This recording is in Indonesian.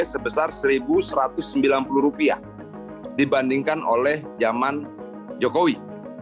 sebesar rp satu satu ratus sembilan puluh dibandingkan oleh zaman jokowi